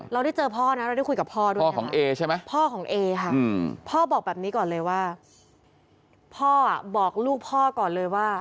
เราได้เจอพ่อนะเราได้คุยกับพ่อด้วย